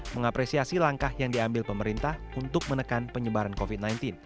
mengapresiasi langkah yang diambil pemerintah untuk menekan penyebaran covid sembilan belas